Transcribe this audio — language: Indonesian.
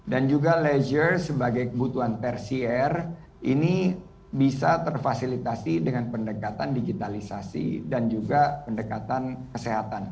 dan juga laser sebagai kebutuhan tersier ini bisa terfasilitasi dengan pendekatan digitalisasi dan juga pendekatan kesehatan